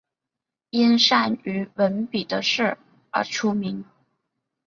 因善于文笔的事而出名。